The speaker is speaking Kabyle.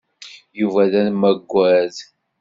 Yuba d amaɣad.